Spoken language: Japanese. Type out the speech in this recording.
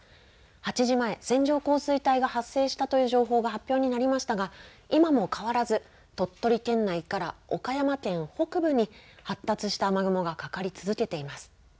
８時前、線状降水帯が発生したという情報が発表になりましたが今も変わらず鳥取県内から岡山県北部に発達した雨雲がかかり続けています。